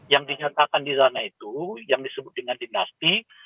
yang dinyatakan di sana itu yang disebut dengan dinasti